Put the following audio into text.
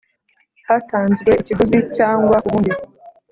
hatanzwe ikiguzi cyangwa ku bundi